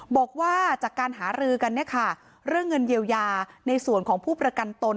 บอกว่าจากการหารือกันเนี่ยค่ะเรื่องเงินเยียวยาในส่วนของผู้ประกันตน